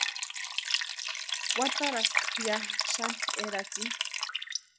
Kwataraska ya xani eratsini.